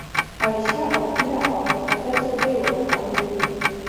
عایشه او هیله او مقدسه درې واړه خوېندې دي